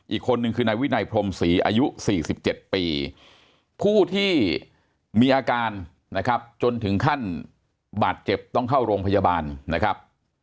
อีกคนนึงคือนายวินัยพรมศรีอายุ๔๗ปีผู้ที่มีอาการนะครับจนถึงขั้นบาดเจ็บต้องเข้าโรงพยาบาลนะครับ